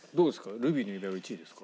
『ルビーの指環』が１位ですか？